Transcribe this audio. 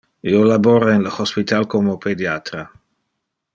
Io labora in le hospital como pediatra.